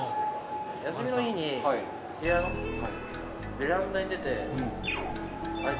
休みの日に部屋のベランダにへー。